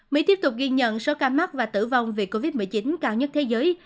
mỹ tiếp tục ghi nhận số ca mắc và tử vong vì covid một mươi chín cao nhất thế giới